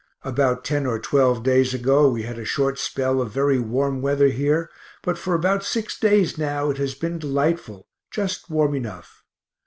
About ten or twelve days ago, we had a short spell of very warm weather here, but for about six days now it has been delightful, just warm enough.